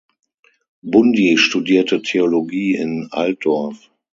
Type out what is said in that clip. Bundi studierte Theologie in Altdorf.